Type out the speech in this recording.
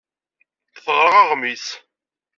Teɣra aɣmis.